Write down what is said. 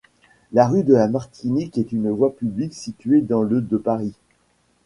La rue de la Martinique est une voie publique située dans le de Paris.